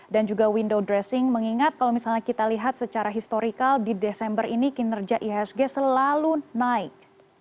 dan juga window dressing mengingat kalau misalnya kita lihat secara historikal di desember ini kinerja ihsg selalu naik